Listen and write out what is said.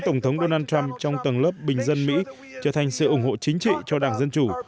tổng thống donald trump trong tầng lớp bình dân mỹ trở thành sự ủng hộ chính trị cho đảng dân chủ